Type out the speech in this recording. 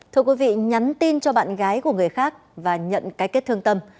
thưa quý vị nhắn tin cho bạn gái của người khác và nhận cái kết thương tâm